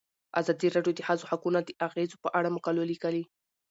ازادي راډیو د د ښځو حقونه د اغیزو په اړه مقالو لیکلي.